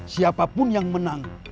siapapun yang menang